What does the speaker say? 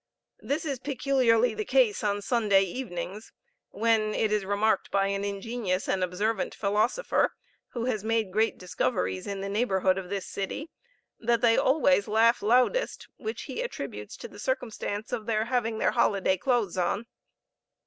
This is peculiarly the case on Sunday evenings, when, it is remarked by an ingenious and observant philosopher, who has made great discoveries in the neighborhood of this city, that they always laugh loudest, which he attributes to the circumstance of their having their holiday clothes on.